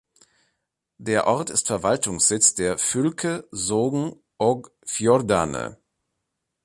Der Ort ist Verwaltungssitz der Fylke Sogn og Fjordane.